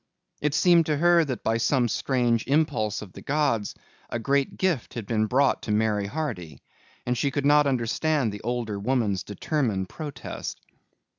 It seemed to her that by some strange impulse of the gods, a great gift had been brought to Mary Hardy and she could not understand the older woman's determined protest.